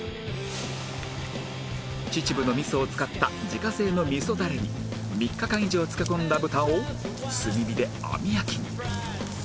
秩父のみそを使った自家製のみそだれに３日間以上漬け込んだ豚を炭火で網焼きに